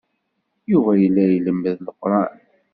Yuba yella ilemmed Leqran.